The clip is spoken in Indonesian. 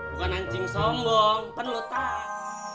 bukan kencing sombong penuh tak